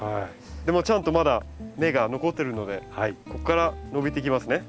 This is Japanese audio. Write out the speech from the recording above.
でもちゃんとまだ芽が残ってるのでここから伸びていきますね。